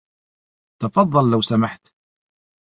تفضّل لو سمحت.